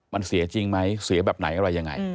มันเสียจริงไหมเสียแบบไหนอะไรยังไง